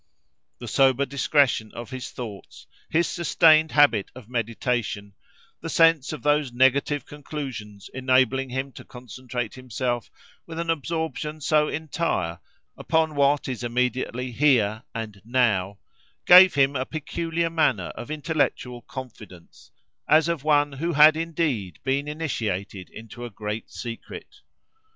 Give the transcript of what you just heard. The sober discretion of his thoughts, his sustained habit of meditation, the sense of those negative conclusions enabling him to concentrate himself, with an absorption so entire, upon what is immediately here and now, gave him a peculiar manner of intellectual confidence, as of one who had indeed been initiated into a great secret.